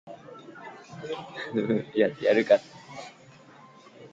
The prize was sponsored by the travel firm Saga plc.